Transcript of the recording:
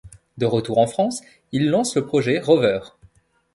De retour en France, il lance le projet Rover.